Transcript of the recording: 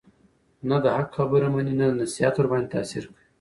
نه د حق خبره مني، نه نصيحت ورباندي تأثير كوي،